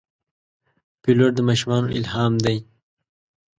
پیلوټ د ماشومانو الهام دی.